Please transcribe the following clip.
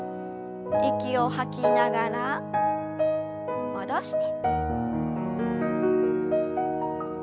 息を吐きながら戻して。